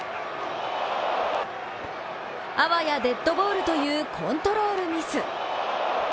あわやデッドボールというコントロールミス。